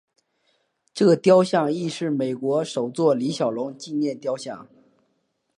该雕像亦是美国首座李小龙纪念雕像。